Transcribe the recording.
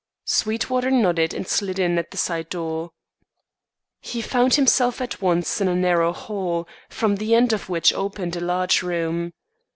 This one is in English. Sweetwater nodded and slid in at the side door. He found himself at once in a narrow hall, from the end of which opened a large room.